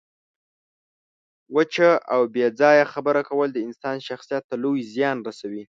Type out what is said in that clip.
وچه او بې ځایه خبره کول د انسان شخصیت ته لوی زیان رسوي.